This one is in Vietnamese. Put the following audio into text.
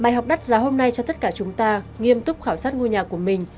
bài học đắt giá hôm nay cho tất cả chúng ta nghiêm túc khảo sát ngôi nhà của mình